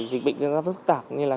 dịch bệnh diễn ra rất phức tạp